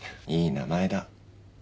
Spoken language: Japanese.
いい名前だ。